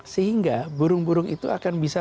sehingga burung burung itu akan bisa